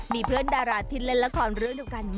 มีเพื่อนดาราทิตย์เล่นละครฤทธิ์ด้วยกันมา